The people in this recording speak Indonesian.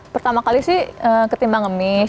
pertama kali sih ketimbang ngemis